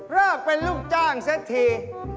เริ่มเป็นลูกจ้างซะที